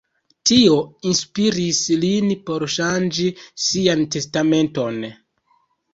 Tio inspiris lin por ŝanĝi sian testamenton.